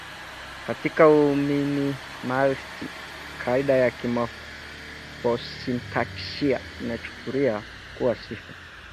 Katika Uminimalisti, kaida ya kimofosintaksia inachukulia kuwa sifa